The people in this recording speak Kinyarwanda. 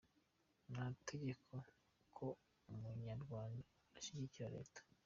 Nta tegeko ko umunyarwanda ashigikira Leta!